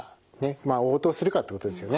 まあ応答するかってことですよね。